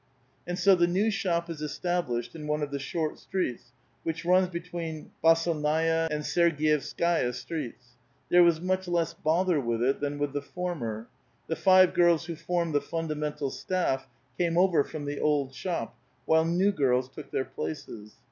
And so the new shop is established in one of the short streets which runs between Bass^inaia and Sy^rgievskai'a streets. There was much less bother with it than with the former. The five girls who formed the fundamental staff came over from the old shop, while new girls took their places.